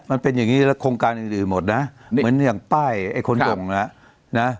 มันเป็นอย่างนี้แล้วโครงการอื่นอื่นหมดนะเหมือนอย่างป้ายไอ้คนส่งนะนะ